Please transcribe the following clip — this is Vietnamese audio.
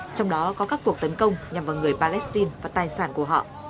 trong đó có các cuộc tấn công nhằm vào người palestine và tài sản của họ